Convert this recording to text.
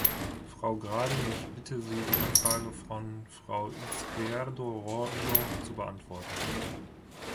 Frau Gradin, ich bitte Sie, die Anfrage von Frau Izquierdo Rojo zu beantworten.